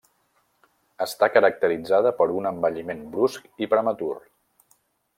Està caracteritzada per un envelliment brusc i prematur.